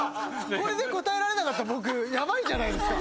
これで答えられなかったら僕ヤバいじゃないですか。